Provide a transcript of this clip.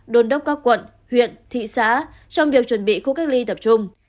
đồn đốc các quận huyện thị xã trong việc chuẩn bị khu cách ly tập trung